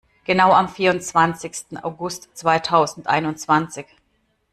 Genau am vierundzwanzigsten August zweitausendeinundzwanzig.